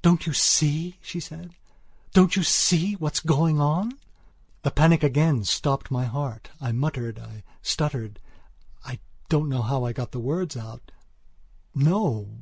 "Don't you see?" she said, "don't you see what's going on?" The panic again stopped my heart. I muttered, I stutteredI don't know how I got the words out: "No!